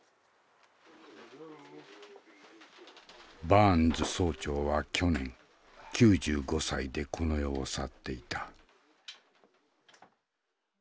バーンズ曹長は去年９５歳でこの世を去っていた。